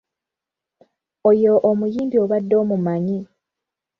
Oyo omuyimbi obadde omumanyi?